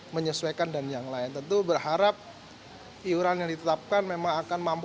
menyesuaikan dan yang lain tentu berharap iuran yang ditetapkan memang akan mampu